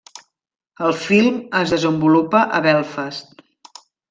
El film es desenvolupa a Belfast.